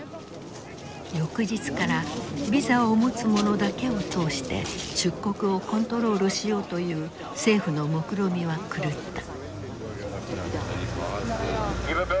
翌日からビザを持つ者だけを通して出国をコントロールしようという政府のもくろみは狂った。